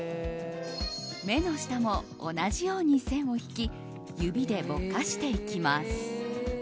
目の下も同じように線を引き指でぼかしていきます。